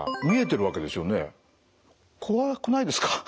怖くないですか？